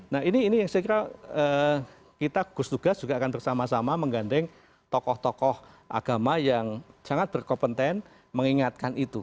nah ini yang saya kira kita gugus tugas juga akan bersama sama menggandeng tokoh tokoh agama yang sangat berkompeten mengingatkan itu